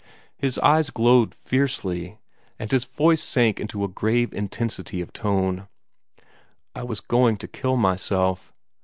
His eyes glowed fiercely, and his voice sank into a grave intensity of tone. "I was going to kill myself.